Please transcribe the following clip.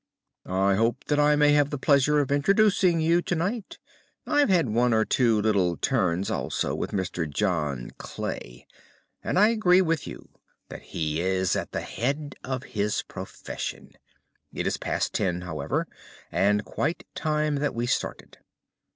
"I hope that I may have the pleasure of introducing you to night. I've had one or two little turns also with Mr. John Clay, and I agree with you that he is at the head of his profession. It is past ten, however, and quite time that we started.